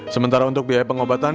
sementara untuk biaya pengobatan